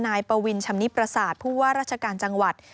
นายปวินชำนิปราศาสตร์ผู้ว่าราชการจังหวัด